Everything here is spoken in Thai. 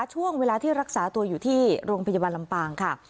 ช่วงเวลาที่รักษาตัวอยู่ที่โรงพยาบาลลำปางค่ะ